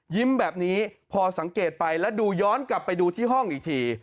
แบบนี้พอสังเกตไปแล้วดูย้อนกลับไปดูที่ห้องอีกที